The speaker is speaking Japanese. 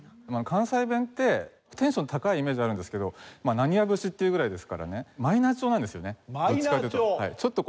関西弁ってテンション高いイメージがあるんですけど浪花節っていうぐらいですからねマイナー調なんですよねどっちかというと。